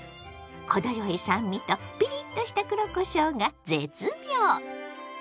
程よい酸味とピリッとした黒こしょうが絶妙！